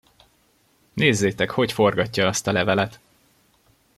Nézzétek, hogy forgatja azt a levelet!